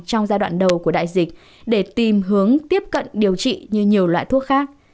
trong giai đoạn đầu của đại dịch để tìm hướng tiếp cận điều trị như nhiều loại thuốc khác